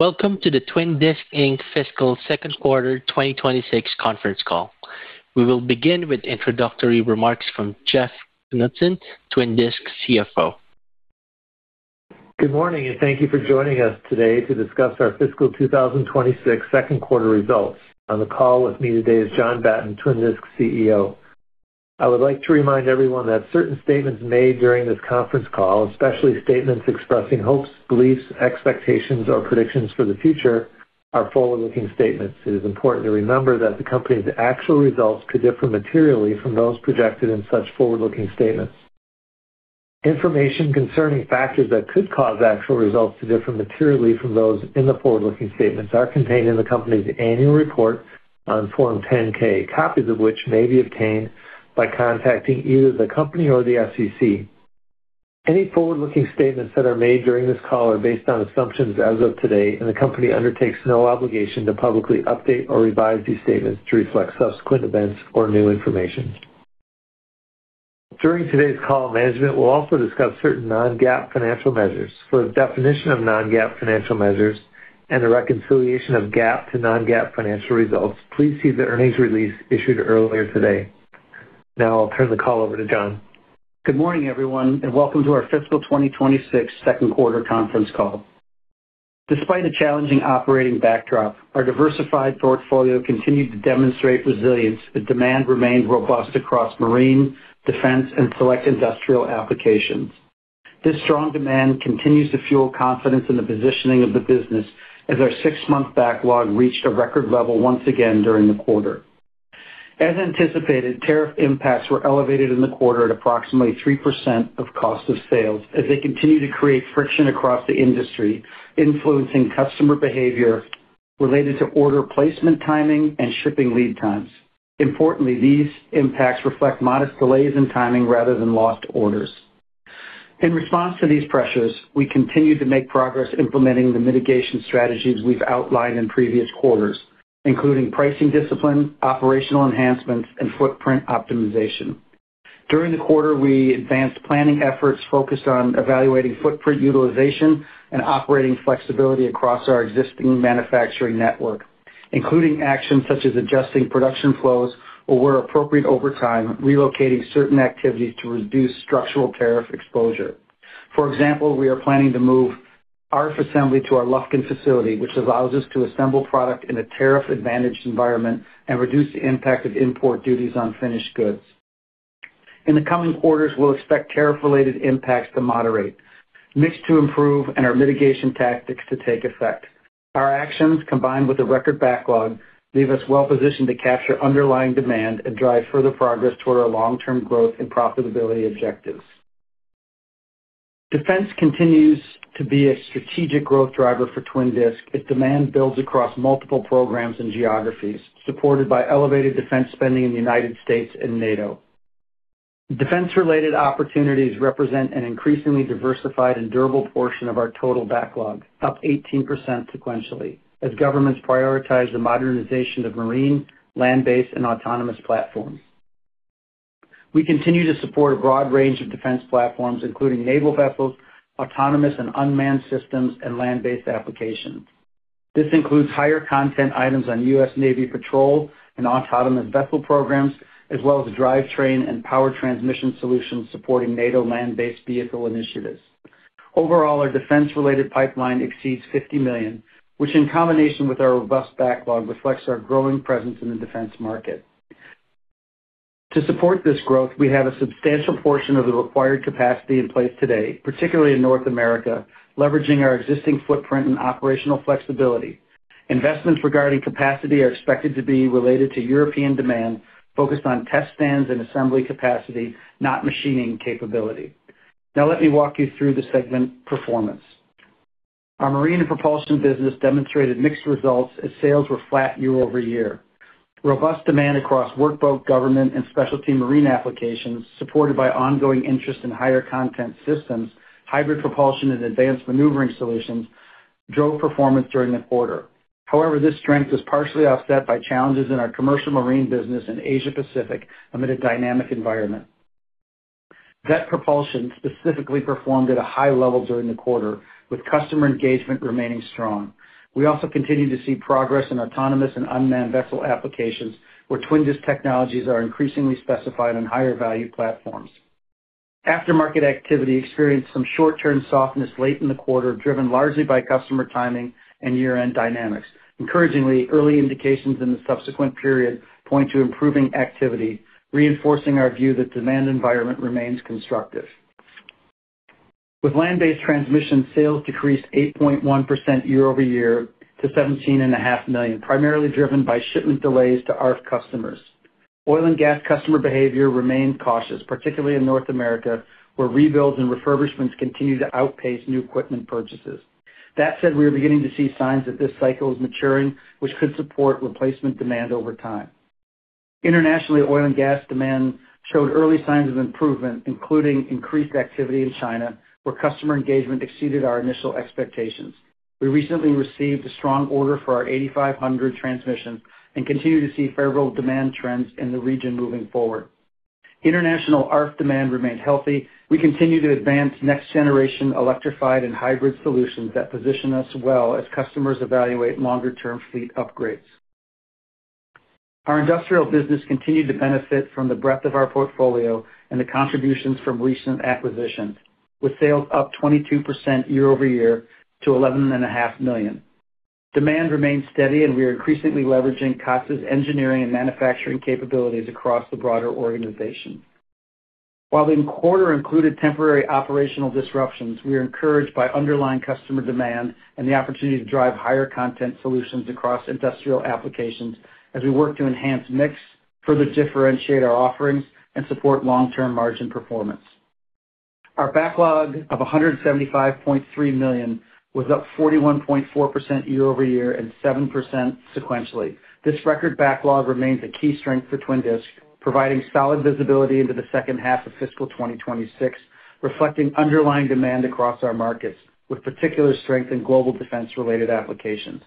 Welcome to the Twin Disc Inc. fiscal second quarter 2026 conference call. We will begin with introductory remarks from Jeff Knutson, Twin Disc CFO. Good morning, and thank you for joining us today to discuss our fiscal 2026 second quarter results. On the call with me today is John Batten, Twin Disc CEO. I would like to remind everyone that certain statements made during this conference call, especially statements expressing hopes, beliefs, expectations, or predictions for the future, are forward-looking statements. It is important to remember that the company's actual results could differ materially from those projected in such forward-looking statements. Information concerning factors that could cause actual results to differ materially from those in the forward-looking statements are contained in the company's annual report on Form 10-K, copies of which may be obtained by contacting either the company or the SEC. Any forward-looking statements that are made during this call are based on assumptions as of today, and the company undertakes no obligation to publicly update or revise these statements to reflect subsequent events or new information. During today's call, management will also discuss certain non-GAAP financial measures. For the definition of non-GAAP financial measures and a reconciliation of GAAP to non-GAAP financial results, please see the earnings release issued earlier today. Now I'll turn the call over to John. Good morning, everyone, and welcome to our fiscal 2026 second quarter conference call. Despite a challenging operating backdrop, our diversified portfolio continued to demonstrate resilience, but demand remained robust across marine, defense, and select industrial applications. This strong demand continues to fuel confidence in the positioning of the business as our 6-month backlog reached a record level once again during the quarter. As anticipated, tariff impacts were elevated in the quarter at approximately 3% of cost of sales as they continue to create friction across the industry, influencing customer behavior related to order placement, timing, and shipping lead times. Importantly, these impacts reflect modest delays in timing rather than lost orders. In response to these pressures, we continue to make progress implementing the mitigation strategies we've outlined in previous quarters, including pricing discipline, operational enhancements, and footprint optimization. During the quarter, we advanced planning efforts focused on evaluating footprint utilization and operating flexibility across our existing manufacturing network, including actions such as adjusting production flows or, where appropriate over time, relocating certain activities to reduce structural tariff exposure. For example, we are planning to move ARFF assembly to our Lufkin facility, which allows us to assemble product in a tariff-advantaged environment and reduce the impact of import duties on finished goods. In the coming quarters, we'll expect tariff-related impacts to moderate, mix to improve, and our mitigation tactics to take effect. Our actions, combined with a record backlog, leave us well positioned to capture underlying demand and drive further progress toward our long-term growth and profitability objectives. Defense continues to be a strategic growth driver for Twin Disc, as demand builds across multiple programs and geographies, supported by elevated defense spending in the United States and NATO. Defense-related opportunities represent an increasingly diversified and durable portion of our total backlog, up 18% sequentially, as governments prioritize the modernization of marine, land-based, and autonomous platforms. We continue to support a broad range of defense platforms, including naval vessels, autonomous and unmanned systems, and land-based applications. This includes higher content items on U.S. Navy patrol and autonomous vessel programs, as well as drivetrain and power transmission solutions supporting NATO land-based vehicle initiatives. Overall, our defense-related pipeline exceeds $50 million, which, in combination with our robust backlog, reflects our growing presence in the defense market. To support this growth, we have a substantial portion of the required capacity in place today, particularly in North America, leveraging our existing footprint and operational flexibility. Investments regarding capacity are expected to be related to European demand, focused on test stands and assembly capacity, not machining capability. Now, let me walk you through the segment performance. Our marine and propulsion business demonstrated mixed results as sales were flat year over year. Robust demand across workboat, government, and specialty marine applications, supported by ongoing interest in higher content systems, hybrid propulsion, and advanced maneuvering solutions, drove performance during the quarter. However, this strength is partially offset by challenges in our commercial marine business in Asia Pacific amid a dynamic environment. Veth Propulsion specifically performed at a high level during the quarter, with customer engagement remaining strong. We also continue to see progress in autonomous and unmanned vessel applications, where Twin Disc technologies are increasingly specified on higher-value platforms. Aftermarket activity experienced some short-term softness late in the quarter, driven largely by customer timing and year-end dynamics. Encouragingly, early indications in the subsequent period point to improving activity, reinforcing our view that demand environment remains constructive. With land-based transmission, sales decreased 8.1% year-over-year to $17.5 million, primarily driven by shipment delays to ARFF customers. Oil and gas customer behavior remained cautious, particularly in North America, where rebuilds and refurbishments continue to outpace new equipment purchases. That said, we are beginning to see signs that this cycle is maturing, which could support replacement demand over time. Internationally, oil and gas demand showed early signs of improvement, including increased activity in China, where customer engagement exceeded our initial expectations. We recently received a strong order for our 8500 transmission and continue to see favorable demand trends in the region moving forward.... International ARFF demand remained healthy. We continue to advance next-generation electrified and hybrid solutions that position us well as customers evaluate longer-term fleet upgrades. Our industrial business continued to benefit from the breadth of our portfolio and the contributions from recent acquisitions, with sales up 22% year-over-year to $11.5 million. Demand remains steady, and we are increasingly leveraging Katsa's engineering and manufacturing capabilities across the broader organization. While the quarter included temporary operational disruptions, we are encouraged by underlying customer demand and the opportunity to drive higher content solutions across industrial applications as we work to enhance mix, further differentiate our offerings, and support long-term margin performance. Our backlog of $175.3 million was up 41.4% year-over-year and 7% sequentially. This record backlog remains a key strength for Twin Disc, providing solid visibility into the second half of fiscal 2026, reflecting underlying demand across our markets, with particular strength in global defense-related applications.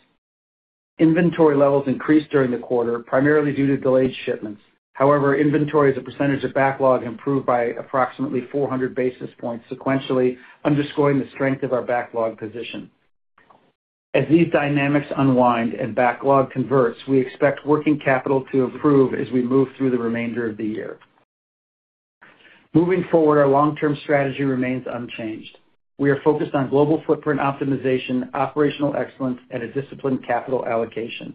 Inventory levels increased during the quarter, primarily due to delayed shipments. However, inventory as a percentage of backlog improved by approximately 400 basis points sequentially, underscoring the strength of our backlog position. As these dynamics unwind and backlog converts, we expect working capital to improve as we move through the remainder of the year. Moving forward, our long-term strategy remains unchanged. We are focused on global footprint optimization, operational excellence, and a disciplined capital allocation.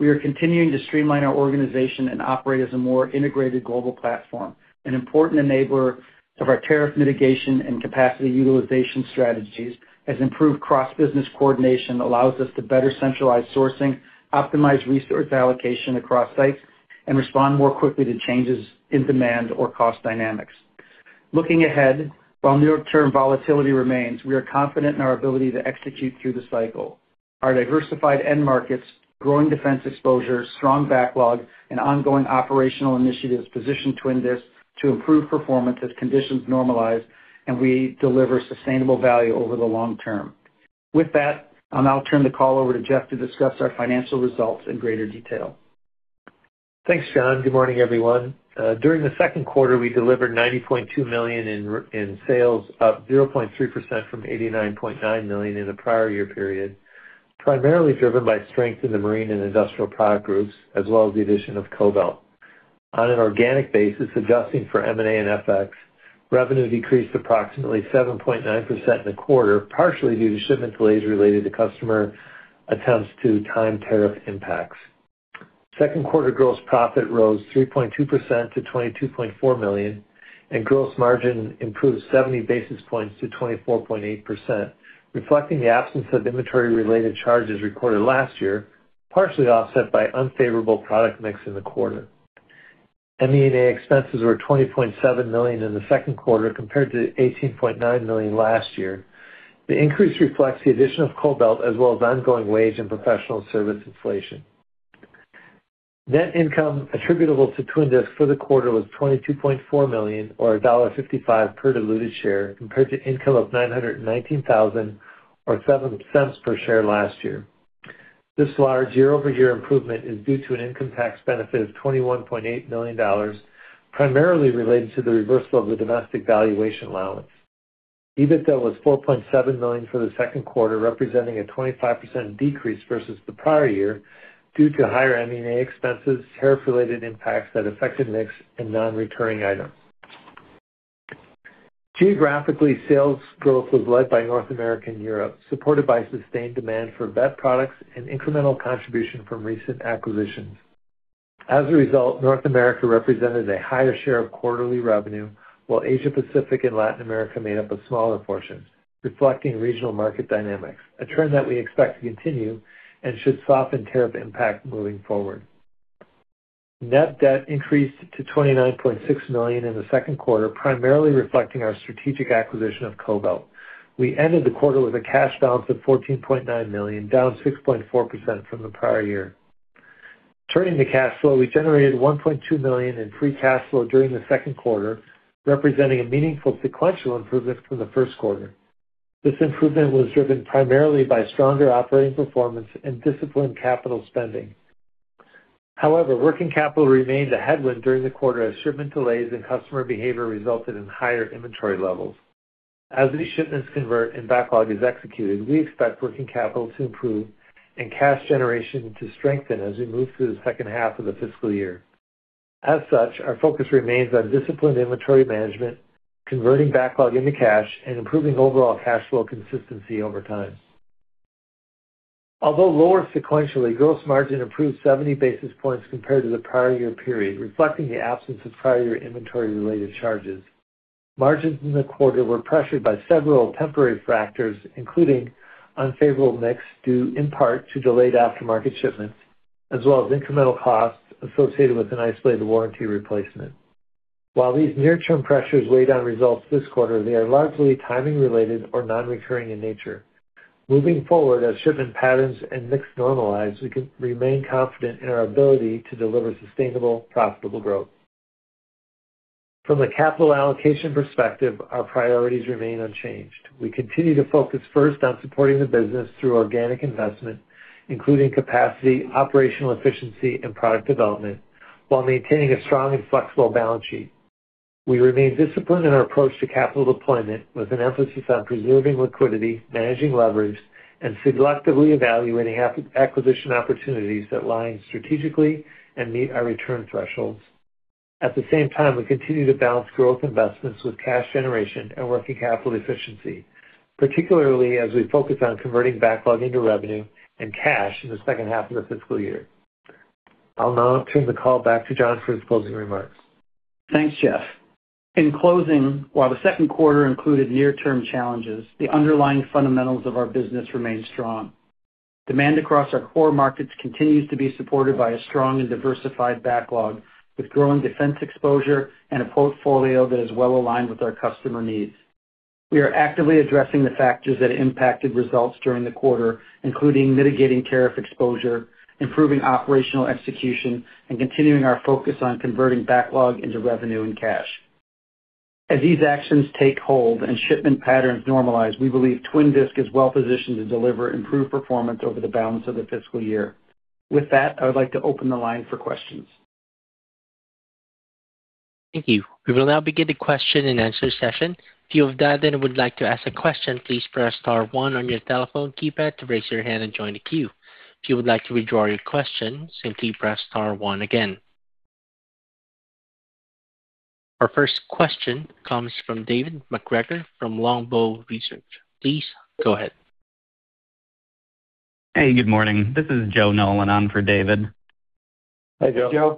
We are continuing to streamline our organization and operate as a more integrated global platform, an important enabler of our tariff mitigation and capacity utilization strategies, as improved cross-business coordination allows us to better centralize sourcing, optimize resource allocation across sites, and respond more quickly to changes in demand or cost dynamics. Looking ahead, while near-term volatility remains, we are confident in our ability to execute through the cycle. Our diversified end markets, growing defense exposure, strong backlog, and ongoing operational initiatives position Twin Disc to improve performance as conditions normalize, and we deliver sustainable value over the long term. With that, I'll now turn the call over to Jeff to discuss our financial results in greater detail. Thanks, John. Good morning, everyone. During the second quarter, we delivered $90.2 million in sales, up 0.3% from $89.9 million in the prior year period, primarily driven by strength in the marine and industrial product groups, as well as the addition of Kobelt. On an organic basis, adjusting for M&A and FX, revenue decreased approximately 7.9% in the quarter, partially due to shipment delays related to customer attempts to time tariff impacts. Second quarter gross profit rose 3.2% to $22.4 million, and gross margin improved 70 basis points to 24.8%, reflecting the absence of inventory-related charges recorded last year, partially offset by unfavorable product mix in the quarter. M&A expenses were $20.7 million in the second quarter, compared to $18.9 million last year. The increase reflects the addition of Kobelt, as well as ongoing wage and professional service inflation. Net income attributable to Twin Disc for the quarter was $22.4 million, or $1.55 per diluted share, compared to income of $919,000 or $0.07 per share last year. This large year-over-year improvement is due to an income tax benefit of $21.8 million, primarily related to the reversal of the domestic valuation allowance. EBITDA was $4.7 million for the second quarter, representing a 25% decrease versus the prior year, due to higher M&A expenses, tariff-related impacts that affected mix and non-recurring items. Geographically, sales growth was led by North America and Europe, supported by sustained demand for Veth products and incremental contribution from recent acquisitions. As a result, North America represented a higher share of quarterly revenue, while Asia Pacific and Latin America made up a smaller portion, reflecting regional market dynamics, a trend that we expect to continue and should soften tariff impact moving forward. Net debt increased to $29.6 million in the second quarter, primarily reflecting our strategic acquisition of Kobelt. We ended the quarter with a cash balance of $14.9 million, down 6.4% from the prior year. Turning to cash flow, we generated $1.2 million in free cash flow during the second quarter, representing a meaningful sequential improvement from the first quarter. This improvement was driven primarily by stronger operating performance and disciplined capital spending. However, working capital remained a headwind during the quarter, as shipment delays and customer behavior resulted in higher inventory levels. As these shipments convert and backlog is executed, we expect working capital to improve and cash generation to strengthen as we move through the second half of the fiscal year. As such, our focus remains on disciplined inventory management, converting backlog into cash, and improving overall cash flow consistency over time. Although lower sequentially, gross margin improved 70 basis points compared to the prior year period, reflecting the absence of prior inventory-related charges. Margins in the quarter were pressured by several temporary factors, including unfavorable mix, due in part to delayed aftermarket shipments, as well as incremental costs associated with an isolated warranty replacement. While these near-term pressures weigh down results this quarter, they are largely timing related or non-recurring in nature. Moving forward, as shipment patterns and mix normalize, we can remain confident in our ability to deliver sustainable, profitable growth. From a capital allocation perspective, our priorities remain unchanged. We continue to focus first on supporting the business through organic investment, including capacity, operational efficiency, and product development, while maintaining a strong and flexible balance sheet... We remain disciplined in our approach to capital deployment, with an emphasis on preserving liquidity, managing leverage, and selectively evaluating acquisition opportunities that lie strategically and meet our return thresholds. At the same time, we continue to balance growth investments with cash generation and working capital efficiency, particularly as we focus on converting backlog into revenue and cash in the second half of the fiscal year. I'll now turn the call back to John for his closing remarks. Thanks, Jeff. In closing, while the second quarter included near-term challenges, the underlying fundamentals of our business remain strong. Demand across our core markets continues to be supported by a strong and diversified backlog, with growing defense exposure and a portfolio that is well aligned with our customer needs. We are actively addressing the factors that impacted results during the quarter, including mitigating tariff exposure, improving operational execution, and continuing our focus on converting backlog into revenue and cash. As these actions take hold and shipment patterns normalize, we believe Twin Disc is well positioned to deliver improved performance over the balance of the fiscal year. With that, I would like to open the line for questions. Thank you. We will now begin the question and answer session. If you'd like to ask a question, please press star one on your telephone keypad to raise your hand and join the queue. If you would like to withdraw your question, simply press star one again. Our first question comes from David MacGregor from Longbow Research. Please go ahead. Hey, good morning. This is Joe Nolan on for David. Hi, Joe. Hi, Joe.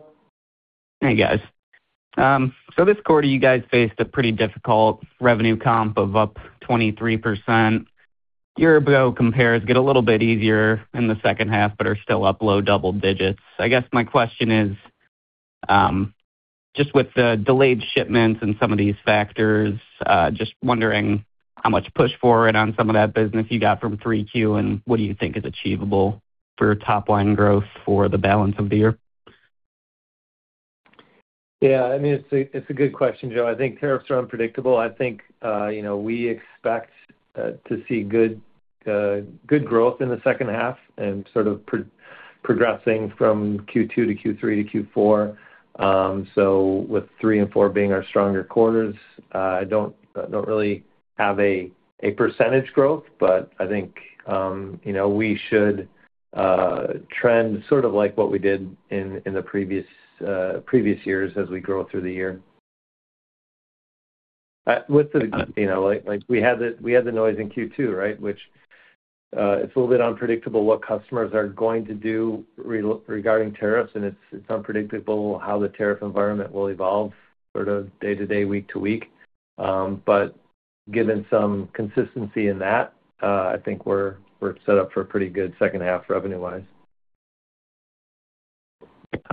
Hey, guys. So this quarter, you guys faced a pretty difficult revenue comp of up 23%. Year-ago compares get a little bit easier in the second half, but are still up low double digits. I guess my question is, just with the delayed shipments and some of these factors, just wondering how much push forward on some of that business you got from 3Q, and what do you think is achievable for top-line growth for the balance of the year? Yeah, I mean, it's a, it's a good question, Joe. I think tariffs are unpredictable. I think, you know, we expect to see good, good growth in the second half and sort of progressing from Q2 to Q3 to Q4. So with three and four being our stronger quarters, I don't, I don't really have a, a percentage growth, but I think, you know, we should trend sort of like what we did in, in the previous, previous years as we grow through the year. With the, you know, like, like, we had the, we had the noise in Q2, right? Which, it's a little bit unpredictable what customers are going to do regarding tariffs, and it's, it's unpredictable how the tariff environment will evolve sort of day to day, week to week. But given some consistency in that, I think we're set up for a pretty good second half revenue-wise.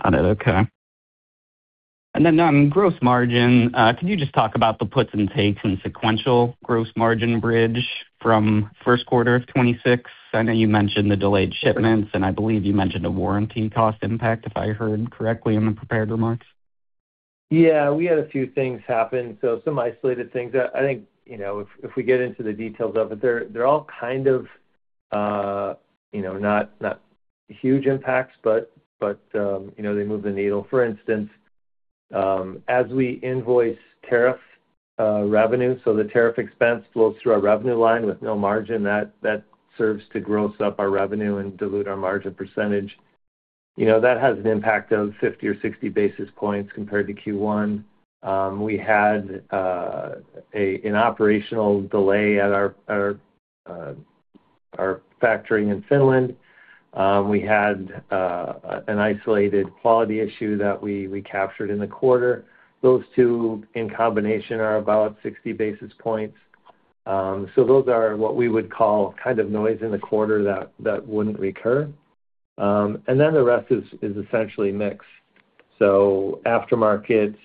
Got it. Okay. And then on gross margin, could you just talk about the puts and takes in sequential gross margin bridge from first quarter of 2026? I know you mentioned the delayed shipments, and I believe you mentioned a warranty cost impact, if I heard correctly in the prepared remarks. Yeah, we had a few things happen, so some isolated things. I think, you know, if we get into the details of it, they're all kind of, you know, not huge impacts, but, you know, they move the needle. For instance, as we invoice tariff revenue, so the tariff expense flows through our revenue line with no margin, that serves to gross up our revenue and dilute our margin percentage. You know, that has an impact of 50 or 60 basis points compared to Q1. We had an operational delay at our factory in Finland. We had an isolated quality issue that we captured in the quarter. Those two, in combination, are about 60 basis points. So those are what we would call kind of noise in the quarter that wouldn't recur. And then the rest is essentially mixed. So aftermarket,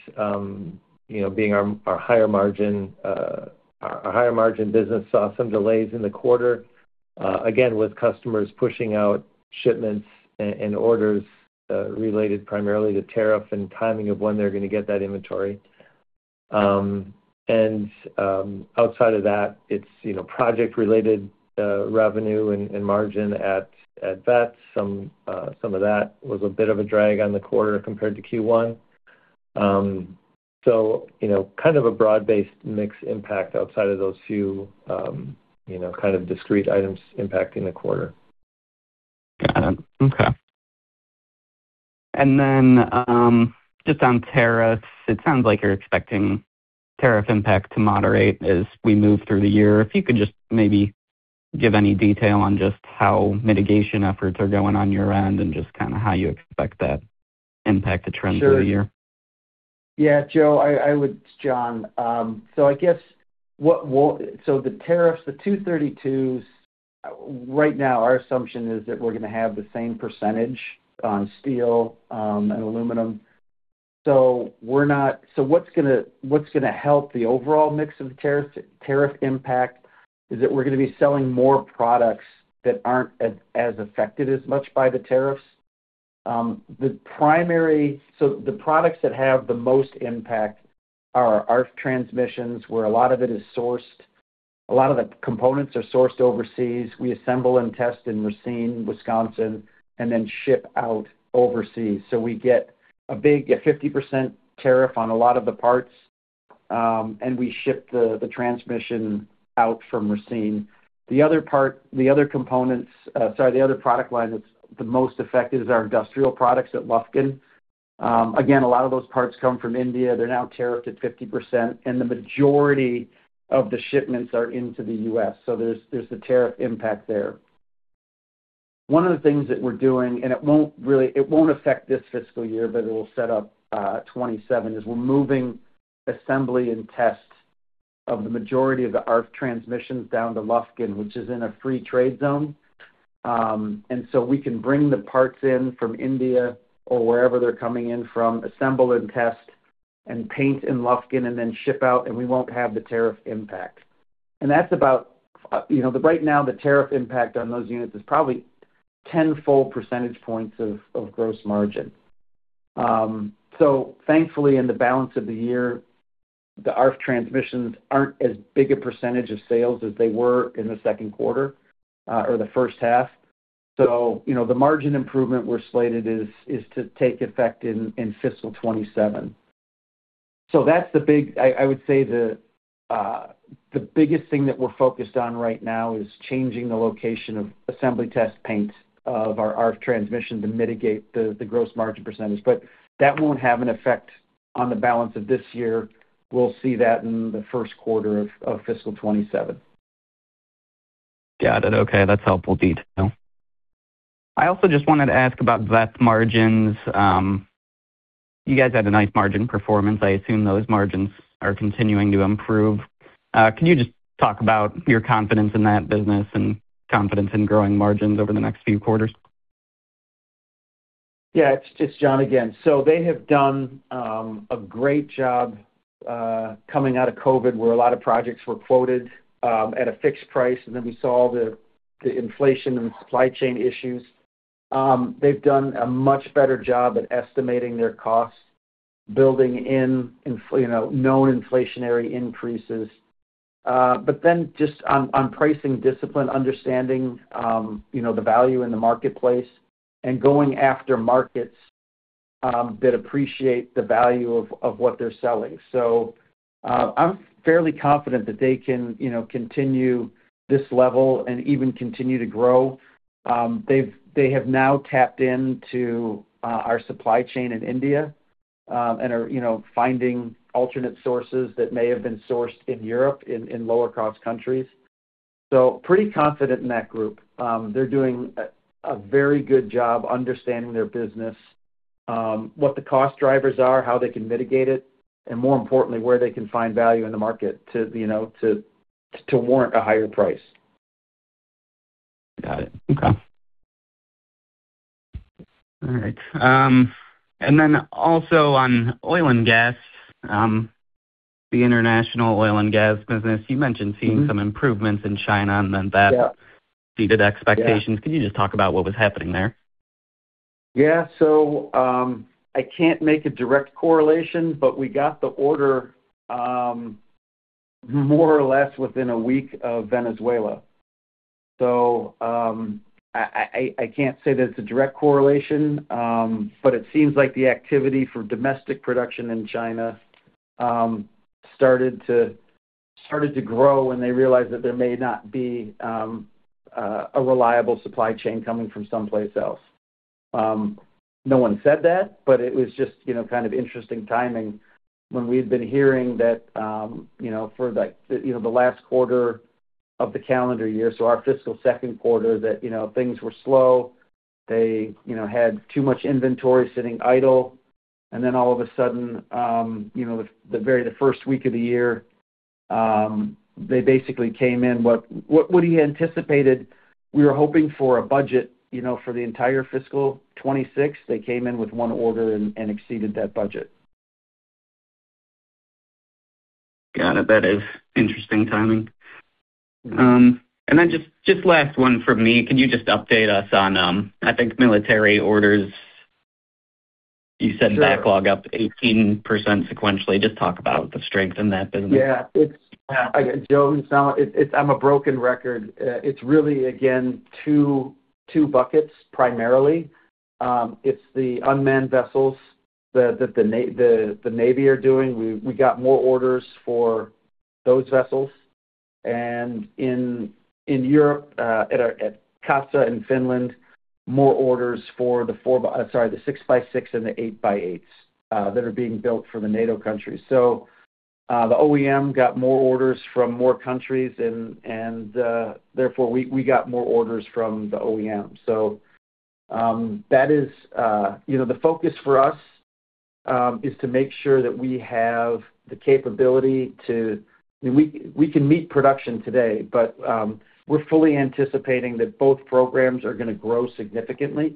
you know, being our higher margin business, saw some delays in the quarter, again, with customers pushing out shipments and orders related primarily to tariff and timing of when they're gonna get that inventory. And outside of that, it's, you know, project-related revenue and margin at Veth. Some of that was a bit of a drag on the quarter compared to Q1. So, you know, kind of a broad-based mix impact outside of those few, you know, kind of discrete items impacting the quarter. Got it. Okay. And then, just on tariffs, it sounds like you're expecting tariff impact to moderate as we move through the year. If you could just maybe give any detail on just how mitigation efforts are going on your end and just kinda how you expect that impact to trend through the year. Sure. Yeah, Joe, I would, It's John, so I guess, what—what—so the tariffs, the 232s, right now, our assumption is that we're gonna have the same percentage on steel and aluminum. So what's gonna help the overall mix of the tariff impact is that we're gonna be selling more products that aren't as affected as much by the tariffs. The primary—so the products that have the most impact are our transmissions, where a lot of it is sourced. A lot of the components are sourced overseas. We assemble and test in Racine, Wisconsin, and then ship out overseas. So we get a big, a 50% tariff on a lot of the parts, and we ship the transmission out from Racine. The other part, the other components, sorry, the other product line that's the most affected is our industrial products at Lufkin. Again, a lot of those parts come from India. They're now tariffed at 50%, and the majority of the shipments are into the U.S., so there's, there's the tariff impact there. One of the things that we're doing, and it won't really, it won't affect this fiscal year, but it will set up 2027, is we're moving assembly and test of the majority of the ARFF transmissions down to Lufkin, which is in a free trade zone. And so we can bring the parts in from India or wherever they're coming in from, assemble and test and paint in Lufkin, and then ship out, and we won't have the tariff impact. And that's about, you know, right now, the tariff impact on those units is probably 10 full percentage points of gross margin. So thankfully, in the balance of the year, the ARFF transmissions aren't as big a percentage of sales as they were in the second quarter, or the first half. So, you know, the margin improvement we're slated is to take effect in fiscal 2027. So that's the big... I would say the biggest thing that we're focused on right now is changing the location of assembly test points of our transmission to mitigate the gross margin percentage. But that won't have an effect on the balance of this year. We'll see that in the first quarter of fiscal 2027. Got it. Okay. That's helpful detail. I also just wanted to ask about Veth's margins. You guys had a nice margin performance. I assume those margins are continuing to improve. Can you just talk about your confidence in that business and confidence in growing margins over the next few quarters? Yeah, it's just John again. So they have done a great job coming out of COVID, where a lot of projects were quoted at a fixed price, and then we saw the inflation and supply chain issues. They've done a much better job at estimating their costs, building in known inflationary increases. But then just on pricing discipline, understanding the value in the marketplace, and going after markets that appreciate the value of what they're selling. So I'm fairly confident that they can continue this level and even continue to grow. They've now tapped into our supply chain in India and are finding alternate sources that may have been sourced in Europe, in lower-cost countries. So pretty confident in that group. They're doing a very good job understanding their business, what the cost drivers are, how they can mitigate it, and more importantly, where they can find value in the market to, you know, to warrant a higher price. Got it. Okay. All right. And then also on oil and gas, the international oil and gas business, you mentioned seeing some improvements in China, and then that exceeded expectations. Can you just talk about what was happening there? Yeah. So, I can't make a direct correlation, but we got the order, more or less within a week of Venezuela. So, I can't say that it's a direct correlation, but it seems like the activity for domestic production in China, started to grow when they realized that there may not be, a reliable supply chain coming from someplace else. No one said that, but it was just, you know, kind of interesting timing when we've been hearing that, you know, for the, you know, the last quarter of the calendar year, so our fiscal second quarter, that, you know, things were slow. They, you know, had too much inventory sitting idle. And then all of a sudden, you know, the very first week of the year, they basically came in. What we anticipated, we were hoping for a budget, you know, for the entire fiscal 2026. They came in with one order and exceeded that budget. Got it. That is interesting timing. And then just last one from me. Can you just update us on, I think military orders? You said backlog up 18% sequentially. Just talk about the strength in that business. Yeah, it's-- I'm a broken record. It's really, again, two buckets primarily. It's the unmanned vessels that the Navy are doing. We got more orders for those vessels. And in Europe, at our at Katsa and Finland, more orders for the 6x6 and the 8x8s that are being built for the NATO countries. So, the OEM got more orders from more countries and therefore, we got more orders from the OEM. So, that is, you know, the focus for us, is to make sure that we have the capability to. We can meet production today, but, we're fully anticipating that both programs are gonna grow significantly.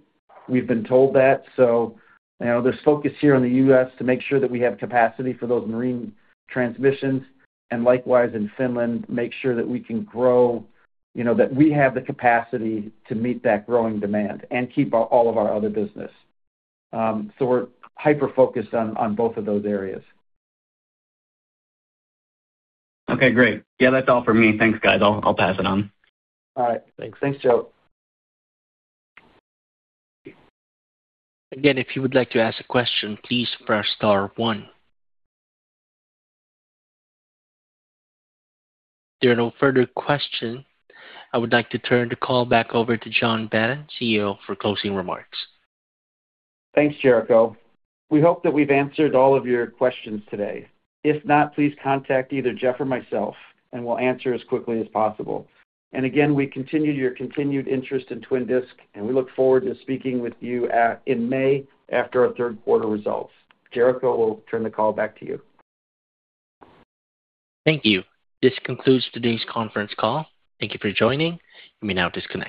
We've been told that. So you know, there's focus here in the U.S. to make sure that we have capacity for those marine transmissions, and likewise in Finland, make sure that we can grow, you know, that we have the capacity to meet that growing demand and keep all of our other business. So we're hyper-focused on both of those areas. Okay, great. Yeah, that's all for me. Thanks, guys. I'll pass it on. All right. Thanks, Joe. Again, if you would like to ask a question, please press star one. There are no further question. I would like to turn the call back over to John Batten, CEO, for closing remarks. Thanks, Jericho. We hope that we've answered all of your questions today. If not, please contact either Jeff or myself, and we'll answer as quickly as possible. And again, we appreciate your continued interest in Twin Disc, and we look forward to speaking with you in May after our third quarter results. Jericho, we'll turn the call back to you. Thank you. This concludes today's conference call. Thank you for joining. You may now disconnect.